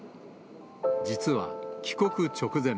実は帰国直前、